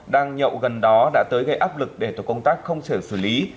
đang nhậu gần đó đã tới gây áp lực để tổ công tác không trở xử lý